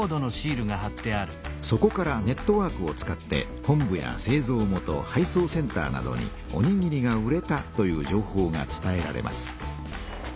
そこからネットワークを使って本部やせいぞう元配送センターなどに「おにぎりが売れた」という情報が伝えられます。